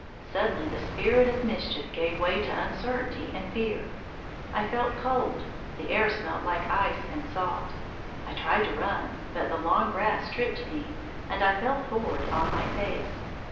Suddenly the spirit of mischief gave way to uncertainty and fear. I felt cold. The air smelt like ice and salt. I tried to run; but the long grass tripped me, and I fell forward on my face.